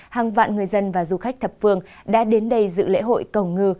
hàng vạn người dân và du khách thập phương đã đến đây dự lễ hội cầu ngư